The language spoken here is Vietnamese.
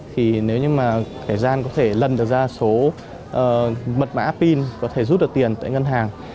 thì nếu như mà kẻ gian có thể lần được ra số mật mã pin có thể rút được tiền tại ngân hàng